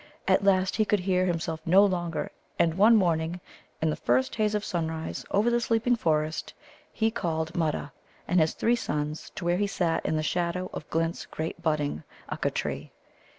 At last he could hear himself no longer, and one morning, in the first haze of sunrise over the sleeping forest, he called Mutta and his three sons to where he sat in the shadow of Glint's great budding Ukka tree.